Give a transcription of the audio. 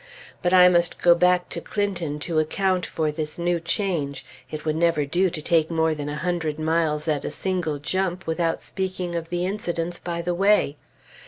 But I must go back to Clinton to account for this new change. It would never do to take more than a hundred miles at a single jump without speaking of the incidents by the way.